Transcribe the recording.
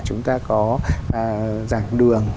chúng ta có giảng đường